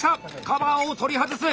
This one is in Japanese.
カバーを取り外す！